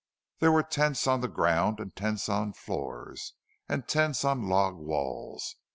There were tents on the ground and tents on floors and tents on log walls.